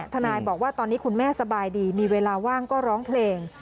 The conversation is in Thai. ทนายบอกว่าตอนนี้คุณแม่สบายดีมีเวลาว่างก็ร้องเพลง